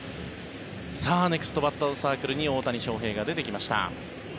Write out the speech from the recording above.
さあネクストバッターズサークルに大谷翔平が出てきました。